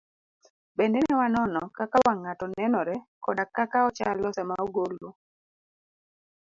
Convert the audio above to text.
bende ne wanono kaka wang' ng'ato nenore koda kaka ochalo sama ogolo